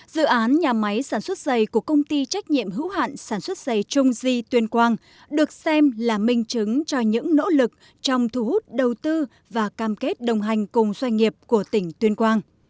dự án nhà máy sản xuất dày của công ty trách nhiệm hữu hạn sản xuất dày trung di tuyên quang được xem là minh chứng cho những nỗ lực trong thu hút đầu tư và cam kết đồng hành cùng doanh nghiệp của tỉnh tuyên quang